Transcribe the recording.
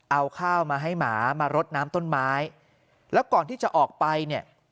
เอาข้าวมาให้หมามารดน้ำต้นไม้แล้วก่อนที่จะออกไปเนี่ย